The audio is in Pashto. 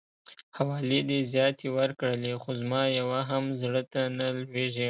حوالې دي زياتې ورکړلې خو زما يوه هم زړه ته نه لويږي.